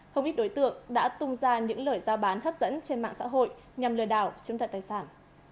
không ít đối tượng đã tung ra những lời giao bán hấp dẫn trên mạng xã hội nhằm lừa đảo chứng tật tài sản